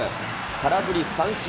空振り三振。